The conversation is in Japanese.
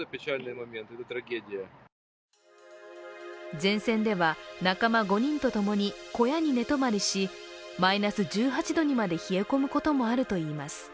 前線では仲間５人と共に小屋に寝泊まりし、マイナス１８度にまで冷え込むこともあるといいます。